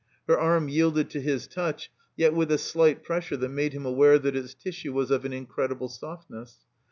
Her arm yielded to his touch, yet with a slight presstire that made him aware that its tissue was of an incredible softness.